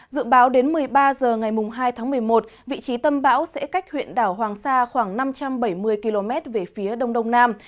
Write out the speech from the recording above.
dự báo đến một mươi ba h ngày hai tháng một mươi một vị trí tâm bão sẽ cách huyện đảo hoàng sa khoảng năm trăm bảy mươi km về phía đông đông nam